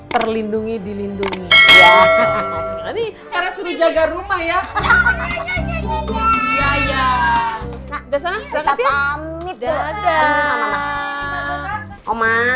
terlindungi dilindungi jadi karena suruh jaga rumah ya ya ya ya udah sama sama